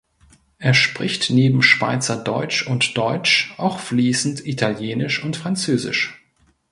Er spricht neben Schweizerdeutsch und Deutsch auch fliessend Italienisch und Französisch.